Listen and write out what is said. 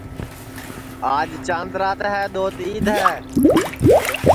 آج چند رات ہے دؔوت عید ہے